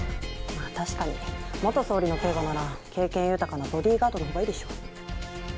まあ確かに元総理の警護なら経験豊かなボディーガードのほうがいいでしょ。